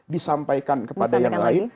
disampaikan kepada yang lain